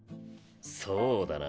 そうだな。